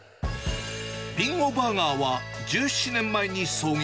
ビンゴバーガーは、１７年前に創業。